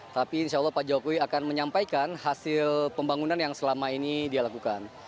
tapi insya allah pak jokowi akan menyampaikan hasil pembangunan yang selama ini dia lakukan